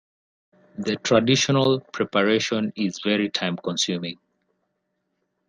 The traditional preparation is very time-consuming.